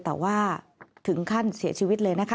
แต่ว่าถึงขั้นเสียชีวิตเลยนะคะ